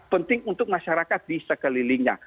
penting untuk masyarakat di sekelilingnya